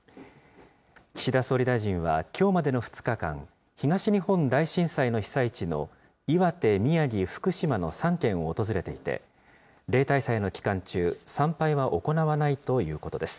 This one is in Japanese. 岸田総理大臣はきょうまでの２日間、東日本大震災の被災地の岩手、宮城、福島の３県を訪れていて、例大祭の期間中、参拝は行わないということです。